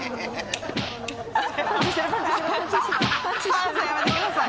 浜田さんやめてください！